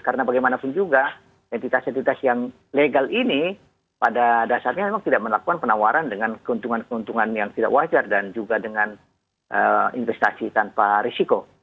karena bagaimanapun juga entitas entitas yang legal ini pada dasarnya memang tidak melakukan penawaran dengan keuntungan keuntungan yang tidak wajar dan juga dengan investasi tanpa risiko